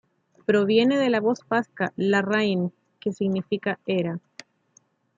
Proviene de la voz vasca "larrain", que significa "era".